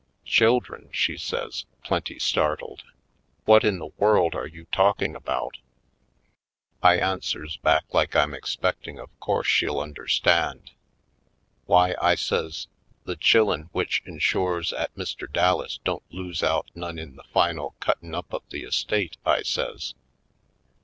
"Children!" she says, plenty startled. "What in the world are you talking about?" I answers back like I'm expecting of course she'll understand. Lady Like! 205 * Wy," I says, "the chillen w'ich enshores 'at Mr. Dallas don't lose out none in the final cuttin' up of the estate," I says.